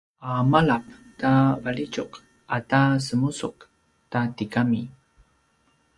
a malap ta valjitjuq ata semusuq ta tigami